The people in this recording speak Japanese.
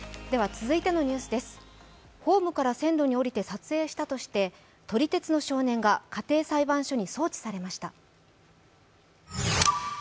ホームから線路におりて撮影したとして撮り鉄の少年が家庭裁判所に送致されました。